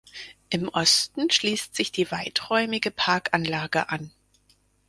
Im Osten schließt sich die weiträumige Parkanlage an.